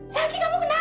santi kamu kenapa